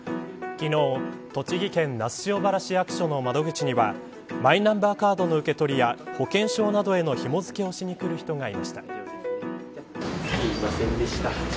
昨日栃木県那須塩原市役所の窓口にはマイナンバーカードの受け取りや保険証などへのひも付けをしに来る人がいました。